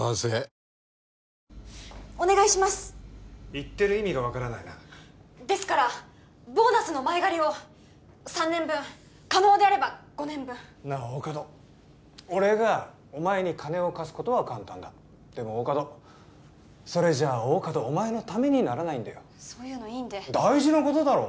言ってる意味が分からないなですからボーナスの前借りを３年分可能であれば５年分なあ大加戸俺がお前に金を貸すことは簡単だでも大加戸それじゃ大加戸お前のためにならないんだよそういうのいいんで大事なことだろ？